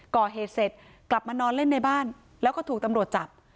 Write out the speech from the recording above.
ก่อเหตุเสร็จกลับมานอนเล่นในบ้านแล้วก็ถูกตำรวจจับ